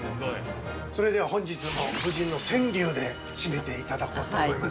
◆それでは本日も、夫人の川柳で締めていただこうと思います。